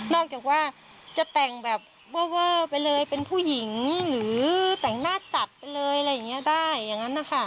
จากว่าจะแต่งแบบเวอร์ไปเลยเป็นผู้หญิงหรือแต่งหน้าจัดไปเลยอะไรอย่างนี้ได้อย่างนั้นนะคะ